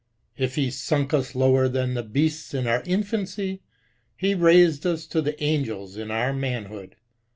If he sunk us lower than the beasts in our infancy, be raised us to the angels in our manhood.